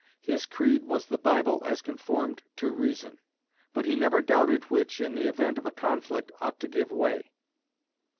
His creed was the Bible as conformed to reason; but he never doubted which, in the event of a conflict, ought to give way.